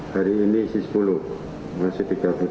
hari ini isi sepuluh masih tiga puluh